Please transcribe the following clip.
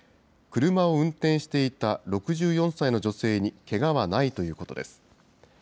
車を運転していた６４歳の女性にけがはないということです。